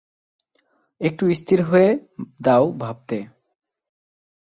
একটু স্থির হয়ে দাও ভাবতে।